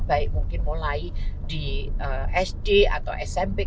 baik mungkin mulai di sd atau smp